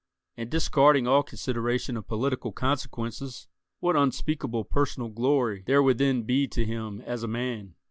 And discarding all consideration of political consequences, what unspeakable personal glory there would then be to him as a man?